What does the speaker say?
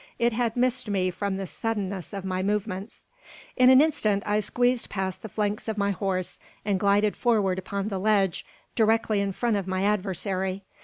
It had missed me from the suddenness of my movements. In an instant I squeezed past the flanks of my horse, and glided forward upon the ledge, directly in front of my adversary.